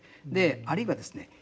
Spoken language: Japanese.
あるいはですね